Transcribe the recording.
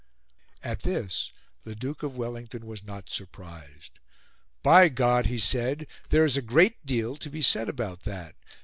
At this the Duke of Wellington was not surprised. "By God!" he said, "there is a great deal to be said about that.